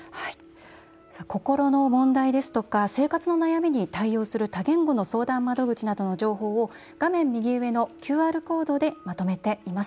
心の問題ですとか生活の悩みに対応する多言語の相談窓口などの情報を画面右上のＱＲコードで、まとめています。